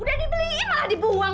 udah dibeliin malah dibuang